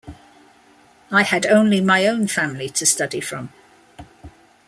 I had only my own family to study from.